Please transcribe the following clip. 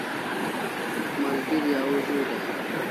Malgeri au zu dai